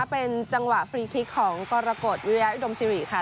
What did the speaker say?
เป็นจังหวะฟรีคลิกของกรกฎวิริยะอุดมสิริค่ะ